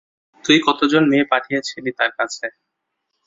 তুই কতজন মেয়ে পাঠিয়েছিলি তার কাছে?